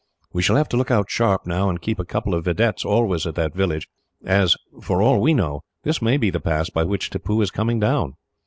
We shall have to look out sharp now, and keep a couple of vedettes always at that village; as, for all we know, this may be the pass by which Tippoo is coming down."